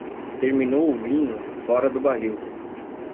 Terminou o vinho, fora do barril.